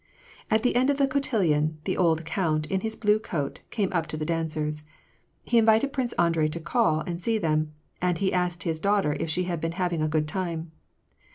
At the end of the cotillion, the old count, in his blue coat, came up to the dancers. He invited Prince Andrei to call and see them, and he asked his daughter if she had been having a good time.